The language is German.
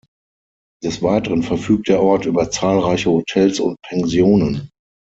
Des Weiteren verfügt der Ort über zahlreiche Hotels und Pensionen.